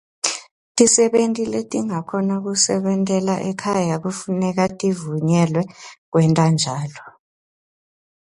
Tisebenti letingakhona kusebentela ekhaya kufuneka tivunyelwe kwenta njalo.